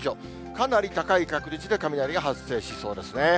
かなり高い確率で雷が発生しそうですね。